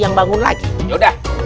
yang bangun lagi yaudah